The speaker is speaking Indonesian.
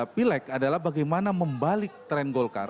pileg adalah bagaimana membalik tren golkar